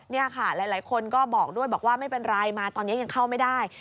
นี่ค่ะหลายคนก็บอกด้วยบอกว่าไม่เป็นไรมาตอนนี้ยังเข้าไม่ได้